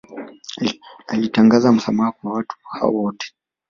Alitangaza msamaha kwa watu hao wote